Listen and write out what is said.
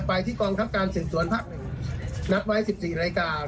ไปที่กรรมครับการสินสวนภาคหนึ่งนัดไว้สิบสี่รายการ